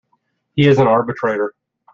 He is an arbitrator.